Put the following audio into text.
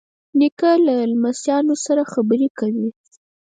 نیکه له لمسیانو سره خبرې کوي.